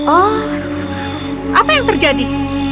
oh apa yang terjadi